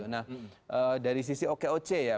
nah dari sisi okoc ya